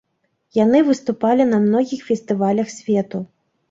Яны выступалі на многіх фестывалях свету.